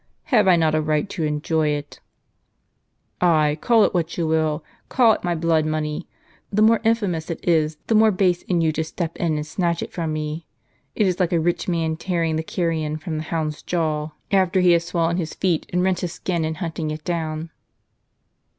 Have I not a right to enjoy it ?" Ay, call it what you will, call it my blood money ; the more infamous it is, the more base in you to step in and snatch it from me. It is like a rich man tearing the carrion from the hound's jaws, after he has swollen his feet and rent his skin in hunting it down."